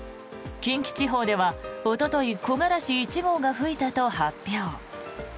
近畿地方では、おととい木枯らし一号が吹いたと発表。